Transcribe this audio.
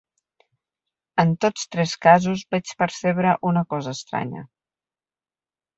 En tots tres casos vaig percebre una cosa estranya.